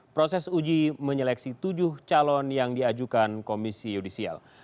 proses uji menyeleksi tujuh calon yang diajukan komisi yudisial